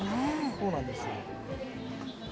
そうなんです。